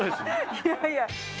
いやいや。